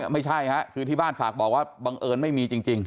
ไม่ใช่ฮะคือที่บ้านฝากบอกว่าบังเอิญไม่มีจริง